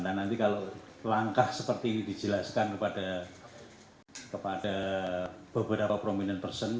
dan nanti kalau langkah seperti ini dijelaskan kepada beberapa prominent person